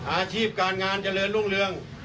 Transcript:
อาชีพการงานเจริญร่วง